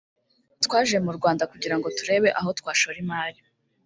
twaje mu Rwanda kugirango turebe aho twashora imari